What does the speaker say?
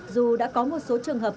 dù đã có một số trường hợp